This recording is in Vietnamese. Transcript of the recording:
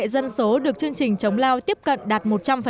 dân số được chương trình chống lao tiếp cận đạt một trăm linh